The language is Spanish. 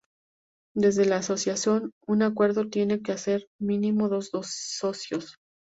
Desde la asociación, un ‘acuerdo’ tiene que haber mínimo dos socios.